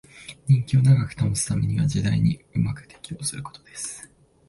人気を長く保つためには時代にうまく適応することです